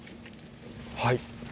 はい。